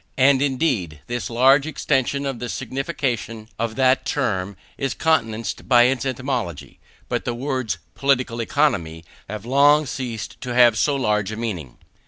And, indeed, this large extension of the signification of that term is countenanced by its etymology. But the words "political economy" have long ceased to have so large a meaning.